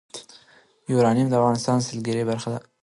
یورانیم د افغانستان د سیلګرۍ برخه ده.